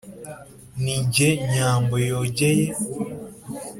Ni jye Nyambo yogeye